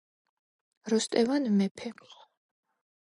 როსტევან მეფე.